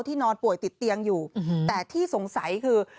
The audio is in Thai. นอนป่วยติดเตียงอยู่แต่ที่สงสัยคือ